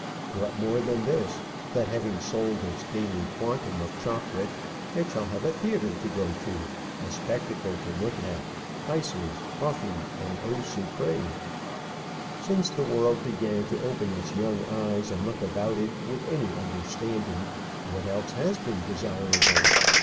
What more than this, that having sold its daily quantum of chocolate, it shall have a theatre to go to, a spectacle to look at, ices, coffee, and eau sucrée! Since the world began to open its young eyes and look about it with any understanding, what else has been desirable?